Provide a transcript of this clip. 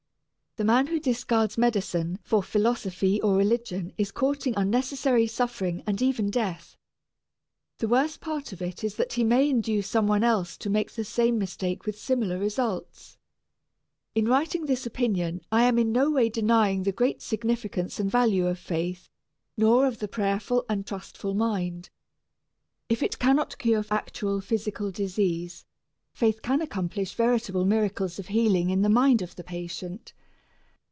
The man who discards medicine for philosophy or religion is courting unnecessary suffering and even death. The worst part of it is that he may induce some one else to make the same mistake with similar results. In writing this opinion I am in no way denying the great significance and value of faith nor of the prayerful and trustful mind. If it cannot cure actual physical disease, faith can accomplish veritable miracles of healing in the mind of the patient.